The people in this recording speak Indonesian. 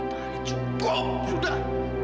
tadi cukup sudah